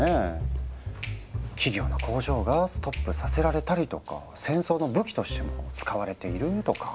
企業の工場がストップさせられたりとか戦争の武器としても使われているとか。